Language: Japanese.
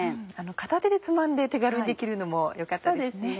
片手でつまんで手軽にできるのも良かったですね。